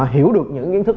hiểu được những kiến thức